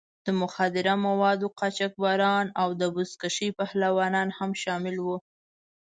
د مخدره موادو قاچاقبران او د بزکشۍ پهلوانان هم شامل وو.